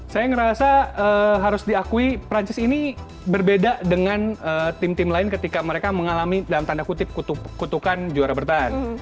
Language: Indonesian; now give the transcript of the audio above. saya ngerasa harus diakui perancis ini berbeda dengan tim tim lain ketika mereka mengalami dalam tanda kutip kutukan juara bertahan